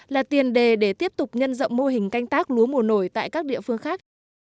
là tiền đề để tiếp tục nhân rộng mô hình canh tác lúa mùa nổi tại các địa phương khác